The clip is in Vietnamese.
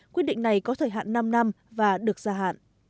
quyết định này có thời hạn năm năm và được gia hạn